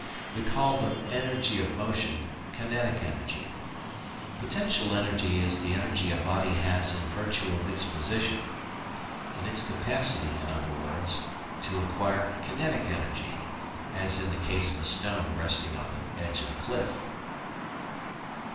We call the energy of motion kinetic energy. Potential energy is the energy a body has in virtue of its position it is its capacity, in other words, to acquire kinetic energy, as in the case of a stone resting on the edge of a cliff.